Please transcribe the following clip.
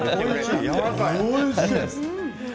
おいしい！